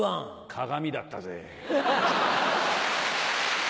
鏡だったぜ。